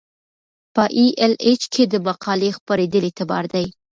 په ای ایل ایچ کې د مقالې خپریدل اعتبار دی.